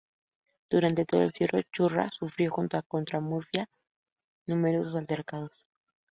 Durante todo el siglo Churra sufrió, junto con Murcia, numerosos altercados.